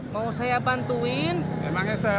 mau saya bantuin emang eselo yo